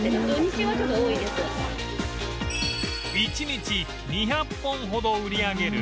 １日２００本ほど売り上げる